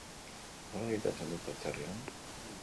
Nola gidatzen dute atzerrian?